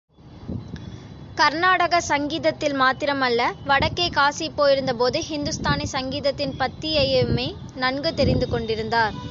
கர்னாடக சங்கீதத்தில் மாத்திரம் அல்ல, வடக்கே காசி போயிருந்த போது ஹிந்துஸ்தானி சங்கீதத்தின் பத்ததியையுமே நன்கு தெரிந்து கொண்டிருக்கிறார்.